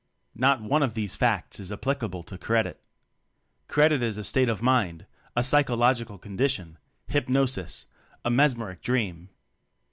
Not one of these facts is applicable to "Credit." "Credit" is a state of mind, a psychological condition hypnosis a mesmeric dream.